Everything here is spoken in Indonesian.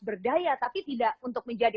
berdaya tapi tidak untuk menjadi